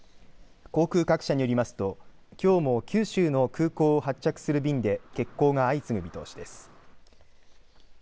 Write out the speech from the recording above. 航空各社によりますときょう九州の空港を発着する便で欠航が相次ぐ見通しです。